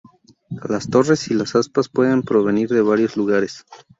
Las torres y las aspas pueden provenir de varios lugares.